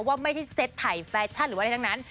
ว่าไม่ได้เซ็ตถ่ายแฟชั่นหรืออะไรทั้งนั้น